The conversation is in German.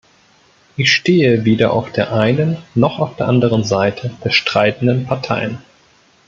Ich stehe weder auf der einen noch auf der anderen Seite der streitenden Parteien.